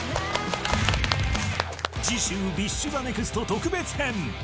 次週、ＢｉＳＨＴＨＥＮＥＸＴ特別編。